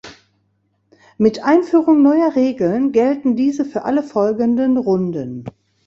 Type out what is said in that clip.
Mit Einführung neuer Regeln gelten diese für alle folgenden Runden.